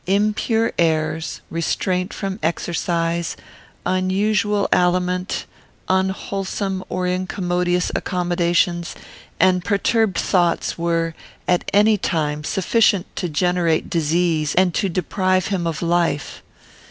Impure airs, restraint from exercise, unusual aliment, unwholesome or incommodious accommodations, and perturbed thoughts, were, at any time, sufficient to generate disease and to deprive him of life.